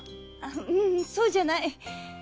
ううんそうじゃない。